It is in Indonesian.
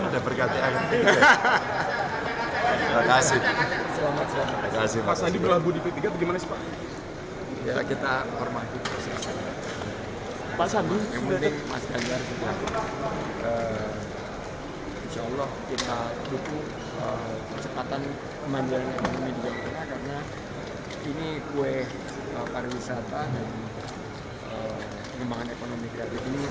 jadi mas ganjar sudah insya allah kita butuh kecepatan kemanjuan ekonomi di jawa tengah karena ini kue pariwisata dan kekembangan ekonomi kreatif ini bisa ini dulu